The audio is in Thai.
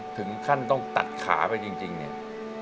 ถึงขั้นต้องตัดขาไปจริงเนี่ย